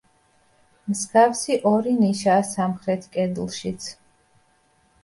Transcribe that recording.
მსგავსი ორი ნიშაა სამხრეთ კედლშიც.